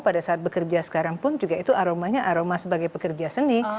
pada saat bekerja sekarang pun juga itu aromanya aroma sebagai pekerja seni